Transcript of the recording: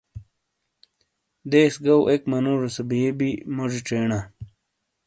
دیس گو ایک منوجو سے بِی بِی (بِیس) موجی چینا